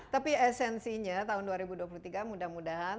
tapi esensinya tahun dua ribu dua puluh tiga mudah mudahan